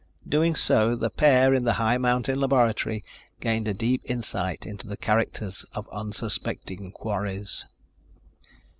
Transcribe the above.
Doing so, the pair in the high mountain laboratory gained a deep insight into the characters of unsuspecting quarries.